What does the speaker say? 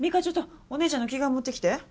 ちょっとお姉ちゃんの着替え持ってきて。